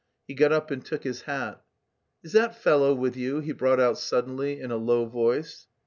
He got up and took his hat. "Is that fellow with you?" he brought out suddenly, in a low voice.